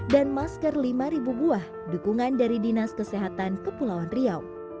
dan masker lima buah dukungan dari dinas kesehatan kepulauan riau